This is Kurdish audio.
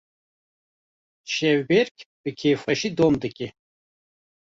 Şevbêrk bi kêfxweşî dom dike.